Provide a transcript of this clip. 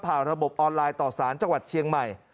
ระบบออนไลน์ต่อสารจังหวัดเชียงใหม่